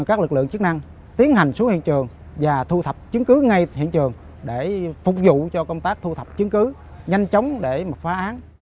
các lực lượng chức năng tiến hành xuống hiện trường và thu thập chứng cứ ngay surface trên trường để thu thập chứng cứ và phá vi giải